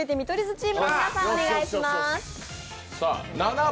図チームの皆さんお願いします。